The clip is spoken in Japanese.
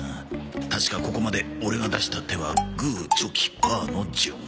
確かここまでオレが出した手はグーチョキパーの順